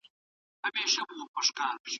مسواک وهل اسان کار دی.